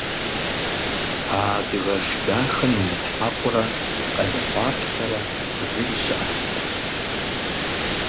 А адыгэш дахэм имытхьэкъурэ къемыхъуапсэрэ зыри щыӀэтэкъым.